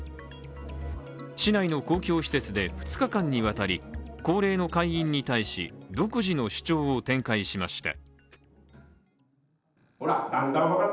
市内の公共施設で、２日間にわたり高齢の会員に対し独自の主張を展開しました。